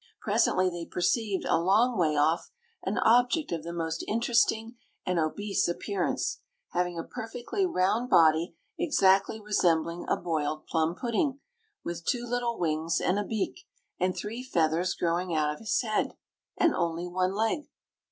Presently they perceived, a long way off, an object of the most interesting and obese appearance, having a perfectly round body exactly resembling a boiled plum pudding, with two little wings and a beak, and three feathers growing out of his head, and only one leg.